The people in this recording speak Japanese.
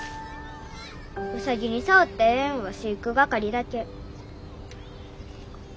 ウサギに触ってええんは飼育係だけ。